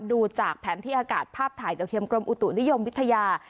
ดูจากแผนที่อากาศภาพถ่ายดาวเทียมกรมอุตุนิยมวิทยา